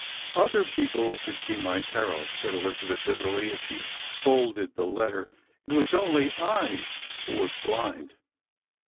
" Other people could see my peril," said Elizabeth bitterly, as she folded the letter. " It was only I who was blind."